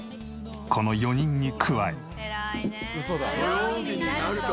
この４人に加え。